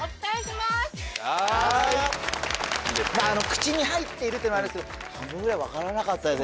まああの口に入っているっていうのはありますけど半分ぐらい分からなかったです